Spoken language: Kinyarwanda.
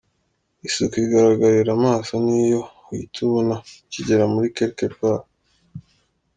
Isuku igaragararira amaso niyo uhita ubona ukigera muri Quelque Part.